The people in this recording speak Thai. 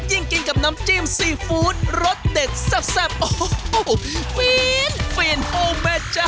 ยิ่งกินกับน้ำจิ้มซีฟู้ดรสเด็ดแซ่บโอ้โหฟีนโอ้แม่เจ้า